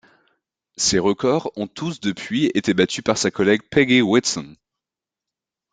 Ces records ont tous depuis été battus par sa collègue Peggy Whitson.